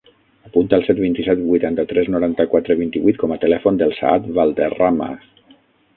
Apunta el set, vint-i-set, vuitanta-tres, noranta-quatre, vint-i-vuit com a telèfon del Saad Valderrama.